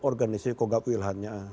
organisasi kogab wilhannya